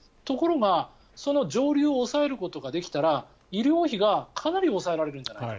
ところが、その上流を抑えることができたら医療費がかなり抑えられると。